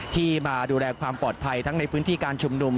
ที่มาดูแลความปลอดภัยทั้งในพื้นที่การชุมนุม